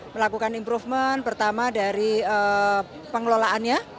melakukan improvement pertama dari pengelolaannya